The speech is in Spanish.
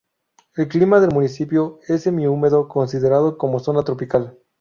El clima del municipio es semihúmedo considerado como zona tropical.